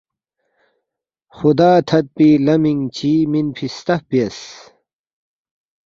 خدا تھدپی لمینگ چی مینمی ستف بیاس